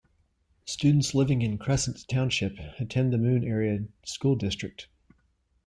Students living in Crescent Township attend the Moon Area School District.